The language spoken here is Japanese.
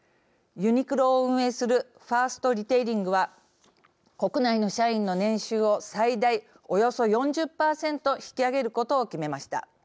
ユニクロを運営するファーストリテイリングは国内の社員の年収を最大およそ４０％引き上げることを決めました。